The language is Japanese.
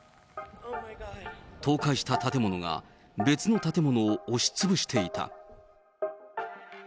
倒壊した建物が別の建物を押しつぶしていた。